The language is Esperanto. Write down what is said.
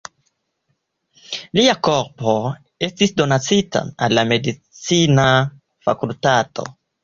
Lia korpo estis donacita al medicina fakultato.